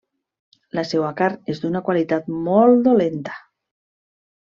La seua carn és d'una qualitat molt dolenta.